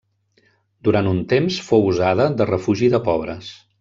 Durant un temps fou usada de refugi de pobres.